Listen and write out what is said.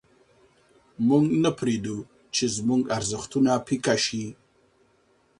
موږ نه پرېږدو چې زموږ ارزښتونه پیکه سي.